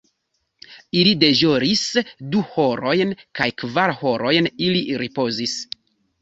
Ili deĵoris du horojn kaj kvar horojn ili ripozis.